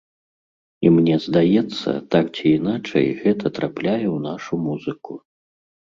І мне здаецца, так ці іначай гэта трапляе ў нашу музыку.